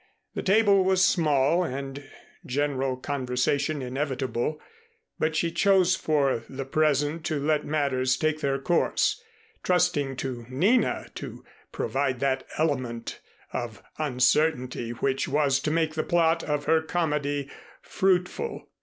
The table was small, and general conversation inevitable, but she chose for the present to let matters take their course, trusting to Nina to provide that element of uncertainty which was to make the plot of her comedy fruitful.